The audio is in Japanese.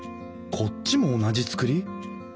こっちも同じ造り。